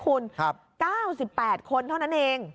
คุณ๙๘คนเท่านั้นเอง